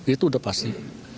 itu udah pasti